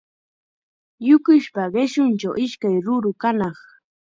Yukispa qishunchaw ishkay ruru kanaq.